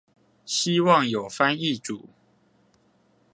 希望有翻譯組